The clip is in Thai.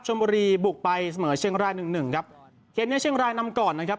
บุรีบุกไปเสมอเชียงรายหนึ่งหนึ่งหนึ่งครับเกมนี้เชียงรายนำก่อนนะครับ